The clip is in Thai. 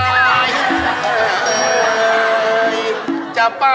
โอ๊ยมาเธอ